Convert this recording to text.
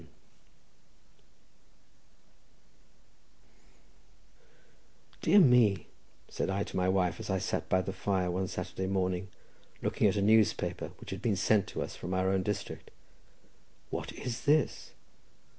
"Dear me," said I to my wife, as I sat by the fire one Saturday morning, looking at a newspaper which had been sent to us from our own district, "what is this?